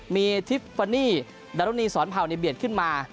มีทิฟฟานีดารุณีสอนเผ่าในเบียดขึ้นมา